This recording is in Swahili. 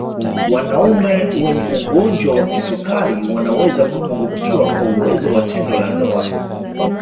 Wanaume wenye ugonjwa wa kisukari wanaweza kupungukiwa kwa uwezo wa tendo la ndoa